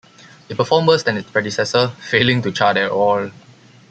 It performed worse than its predecessor, failing to chart at all.